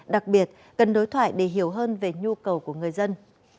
đặc biệt cần đối thoại để hiểu hơn về nhu cầu của người dân